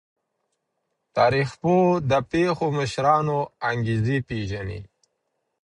تاریخ پوه د پیښو د مشرانو انګیزې پیژني.